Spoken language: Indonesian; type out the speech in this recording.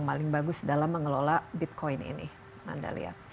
paling bagus dalam mengelola bitcoin ini anda lihat